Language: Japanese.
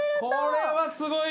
これはすごいよ。